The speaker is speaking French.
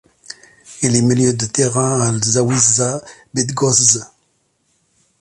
Il est milieu de terrain à l'Zawisza Bydgoszcz.